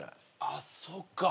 あっそっか。